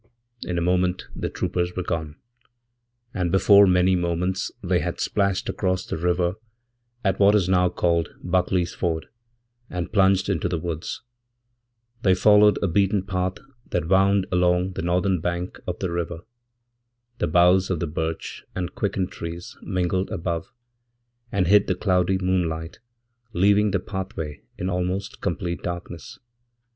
'In a moment the troopers were gone, and before many moments they hadsplashed across the river at what is now called Buckley's Ford, andplunged into the woods. They followed a beaten track that wound alongthe northern bank of the river. The boughs of the birch and quickentrees mingled above, and hid the cloudy moonlight, leaving thepathway in almost complete darkness.